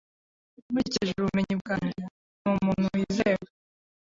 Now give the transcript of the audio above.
Nkurikije ubumenyi bwanjye, ni umuntu wizewe.